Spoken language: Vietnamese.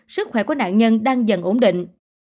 sức khỏe của nạn nhân đang dần ổn định